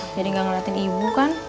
jadi gak ngeliatin ibu kan